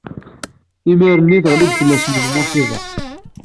Imir-nni teɣli-d fell-asen lmuṣiba.